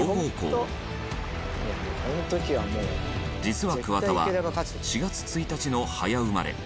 実は桑田は４月１日の早生まれ。